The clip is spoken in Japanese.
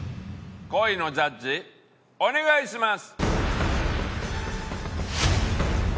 恋のジャッジお願いします。